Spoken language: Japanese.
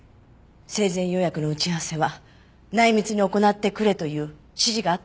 生前予約の打ち合わせは内密に行ってくれという指示があったのです。